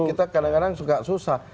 kita kadang kadang suka susah